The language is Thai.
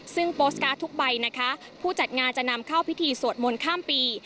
ซึ่งโปสตการ์ดทุกใบนะคะผู้จัดงานจะนำเข้าพิธีสวดมนต์ข้ามปี